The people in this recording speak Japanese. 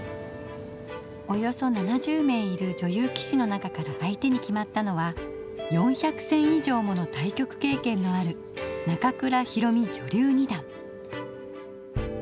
およそ７０名いる女流棋士の中から相手に決まったのは４００戦以上もの対局経験のある中倉宏美女流二段。